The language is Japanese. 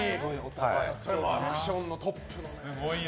アクションのトップのね。